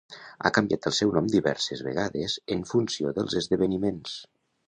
Ha canviat el seu nom diverses vegades en funció dels esdeveniments.